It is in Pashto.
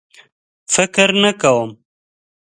فکر نه کوم.